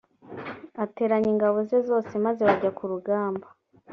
ateranya ingabo ze zose maze bajya kurugamba